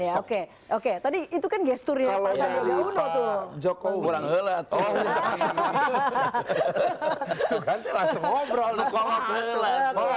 ya oke oke tadi itu kan gesturnya pasangnya di uno tuh joko orang gelap hahaha